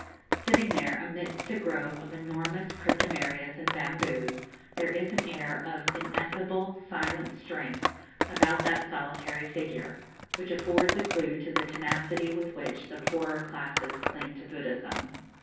Sitting there, amidst a grove of enormous cryptomerias and bamboos, there is an air of ineffable silent strength about that solitary figure, which affords a clue to the tenacity with which the poorer classes cling to Buddhism.